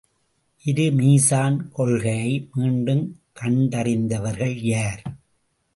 இரு மீசான் கொள்கையை மீண்டும் கண்டறிந்தவர்கள் யார்?